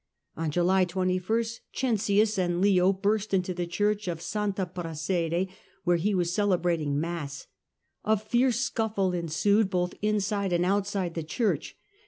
On to fly ^^^^ July 21 Cencius and Leo burst into the Church of S. Prassede, where he was celebrating mass. A fierce scuffle ensued both inside and outside the church.